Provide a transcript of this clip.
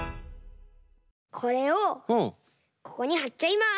これをここにはっちゃいます。